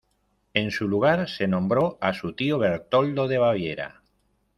En su lugar se nombró a su tío Bertoldo de Baviera.